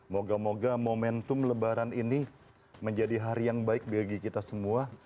moga moga momentum lebaran ini menjadi hari yang baik bagi kita semua